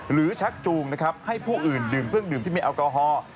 ชักจูงนะครับให้ผู้อื่นดื่มเครื่องดื่มที่มีแอลกอฮอล์